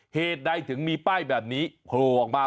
เหตุใดถึงมีป้ายแบบนี้โผล่ออกมา